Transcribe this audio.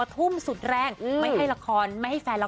คือพอเราได้มีละครเล่นนะคะ